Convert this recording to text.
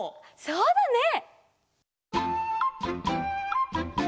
そうだね！